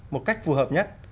một cách phù hợp nhất